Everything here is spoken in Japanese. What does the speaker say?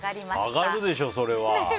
上がるでしょ、それは。